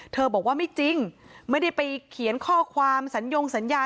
บอกว่าไม่จริงไม่ได้ไปเขียนข้อความสัญญงสัญญา